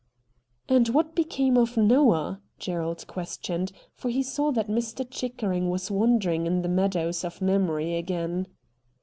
' And what became of Noah ?' Gerald questioned, for he saw that Mr. Chickering was wandering in the meadows of memory again.